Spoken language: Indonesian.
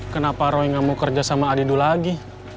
kenapa roy gak mau kerja sama adidu lagi